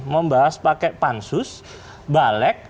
membahas pakai pansus balek